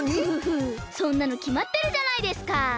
フフフそんなのきまってるじゃないですか！